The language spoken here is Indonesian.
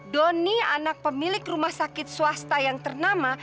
doni anak pemilik rumah sakit swasta yang ternama